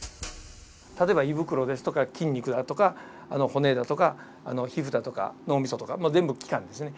例えば胃袋ですとか筋肉だとか骨だとか皮膚だとか脳みそとか全部の器官ですね。